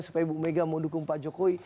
supaya ibu mega mau dukung pak jokowi